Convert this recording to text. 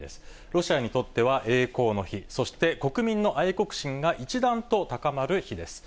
ロシアにとっては栄光の日、そして国民の愛国心が一段と高まる日です。